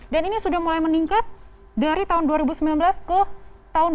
dan ini sudah mulai meningkat dari tahun dua ribu sembilan belas ke tahun dua ribu dua puluh